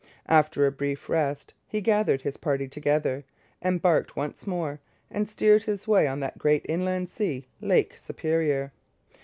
After a brief rest, he gathered his party together, embarked once more, and steered his way on that great inland sea, Lake Superior.